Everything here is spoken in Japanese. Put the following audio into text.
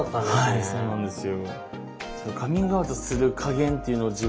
はいそうなんですよ。